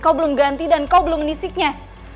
kau belum ganti dan kau belum nisiknya